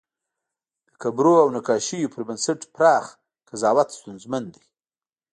د قبرونو او نقاشیو پر بنسټ پراخ قضاوت ستونزمن دی.